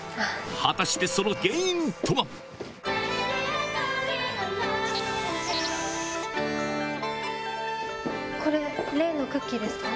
果たしてその原因とは⁉これ例のクッキーですか？